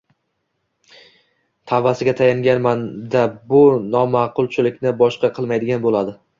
Tavbasiga tayangan banda bu noma`qulchilikni boshqa qilmaydigan bo`ladi